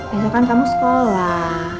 besokan kamu sekolah